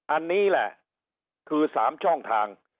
อันนี้แหละคือ๓ช่องทาง